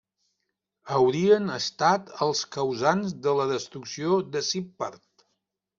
Haurien estat els causants de la destrucció de Sippar.